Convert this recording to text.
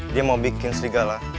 dia mau bikin serigala